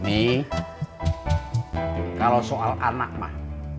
ini kalau soal anak mah